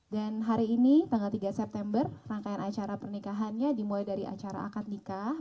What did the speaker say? dan hari ini tanggal tiga september rangkaian acara pernikahannya dimulai dari acara pernikahan